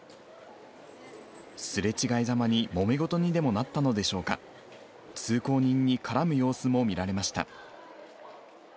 すれ違いざまにもめ事にでもなったのでしょうか、通行人に絡む様子も見られました。